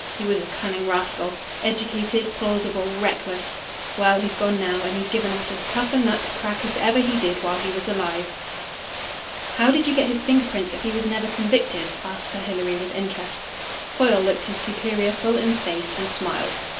He was a cunning rascal educated, plausible, reckless. Well, he's gone now, and he's given us as tough a nut to crack as ever he did while he was alive." "How did you get his finger prints if he was never convicted?" asked Sir Hilary with interest. Foyle looked his superior full in the face and smiled.